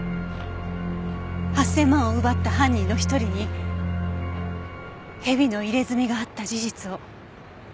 ８０００万を奪った犯人の一人にヘビの入れ墨があった事実を。